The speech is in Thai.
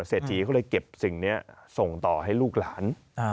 เสียจีเขาเลยเก็บสิ่งนี้ส่งต่อให้ลูกหลาน